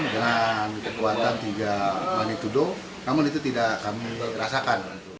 dan kekuatan tiga magnitudo namun itu tidak kami rasakan